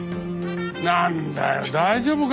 なんだよ大丈夫か？